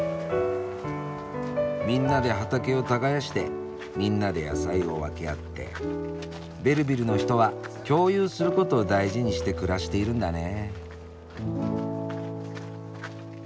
みんなで畑を耕してみんなで野菜を分け合ってベルヴィルの人は共有することを大事にして暮らしているんだね。